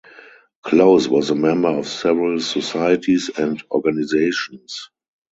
Close was the member of several societies and organisations.